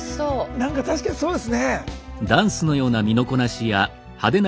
何か確かにそうですね。